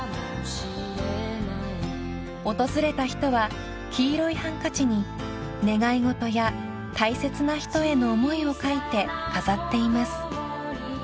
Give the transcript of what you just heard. ［訪れた人は黄色いハンカチに願い事や大切な人への思いを書いて飾っています］